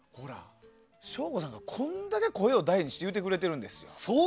省吾さんがこれだけ声を大にして言うてくれてるんです。